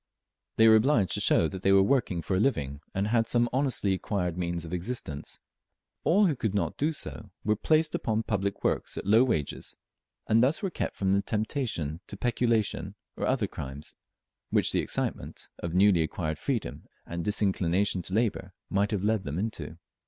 They were obliged to show that they were working for a living, and had some honestly acquired means of existence. All who could not do so were placed upon public works at low wages, and thus were kept from the temptation to peculation or other crimes, which the excitement of newly acquired freedom, and disinclination to labour, might have led them into.